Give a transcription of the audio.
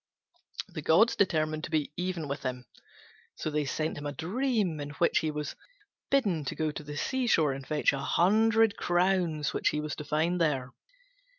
The gods determined to be even with him, so they sent him a dream, in which he was bidden to go to the sea shore and fetch a hundred crowns which he was to find there.